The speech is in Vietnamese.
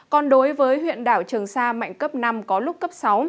còn đối với huyện đảo trường sa mạnh cấp năm có lúc cấp sáu